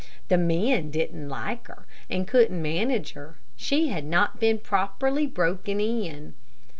The men didn't like her, and couldn't manage her. She had not been properly broken in.